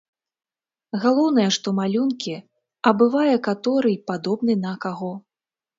Галоўнае, што малюнкі, а бывае каторы й падобны на каго.